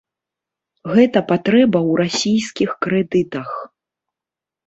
Гэта патрэба ў расійскіх крэдытах.